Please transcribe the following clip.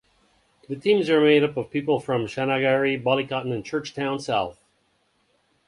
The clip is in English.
The teams are made up of people from Shanagarry, Ballycotton and Churchtown South.